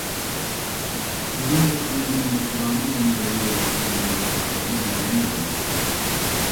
سىزنىڭ بۇ تېمىنى مىسرانىم مۇنبىرىگە يوللىشىڭىزنىڭ سەۋەبىنى بىلەلمىدىم.